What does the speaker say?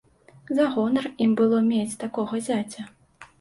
За гонар ім было мець такога зяця.